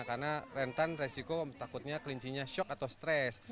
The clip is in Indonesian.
karena rentan resiko takutnya kelincinya shock atau stress